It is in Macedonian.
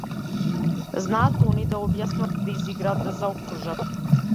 Знаат они да објаснат, да изиграат, да заокружат.